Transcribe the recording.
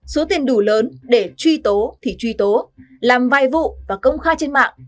số tiền đủ lớn để truy tố thì truy tố làm vài vụ và công khai trên mạng